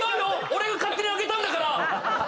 俺が勝手に上げたんだから！